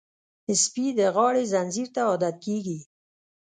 سپي د غاړې زنځیر ته عادت کېږي.